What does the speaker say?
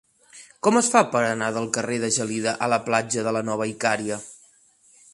Com es fa per anar del carrer de Gelida a la platja de la Nova Icària?